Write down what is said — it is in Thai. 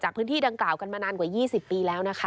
พื้นที่ดังกล่าวกันมานานกว่า๒๐ปีแล้วนะคะ